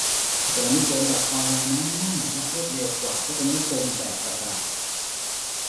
พจนานุกรมแบบออนไลน์นั้นง่ายและรวดเร็วกว่าพจนานุกรมแบบกระดาษ